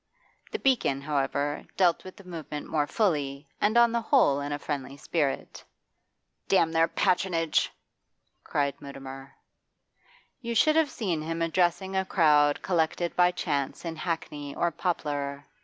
The 'Beacon,' however, dealt with the movement more fully, and on the whole in a friendly spirit. 'Damn their patronage!' cried Mutimer. You should have seen him addressing a crowd collected by chance in Hackney or Poplar.